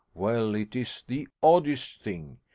Well, it is the oddest thing!